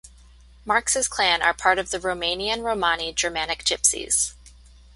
Marks' clan are part of the Romanian Romani Germanic Gypsies.